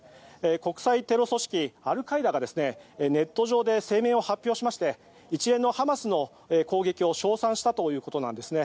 国際テロ組織アルカイダがネット上で声明を発表しまして一連のハマスの攻撃を称賛したということなんですね。